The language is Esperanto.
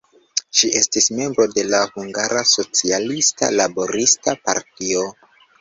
Ŝi estis membro de la Hungara Socialista Laborista Partio.